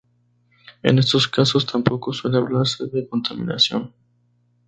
En estos casos tampoco suele hablarse de contaminación.